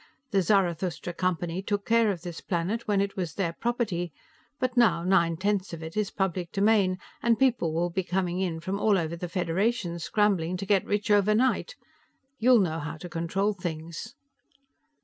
The Zarathustra Company took care of this planet, when it was their property, but now nine tenths of it is public domain, and people will be coming in from all over the Federation, scrambling to get rich overnight. You'll know how to control things."